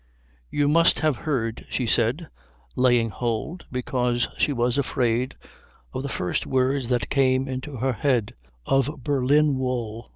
"You must have heard," she said, laying hold, because she was afraid, of the first words that came into her head, "of Berlin wool.